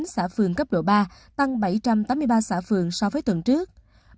một tám trăm năm mươi chín xã phường cấp độ ba tăng bảy trăm tám mươi ba xã phường so với tuần trước